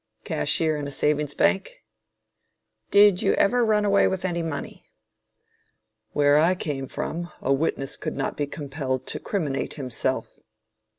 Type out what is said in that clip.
Cashier in a Savings Bank. Did you ever run away with any money? Where I came from, a witness could not be compelled to criminate himself.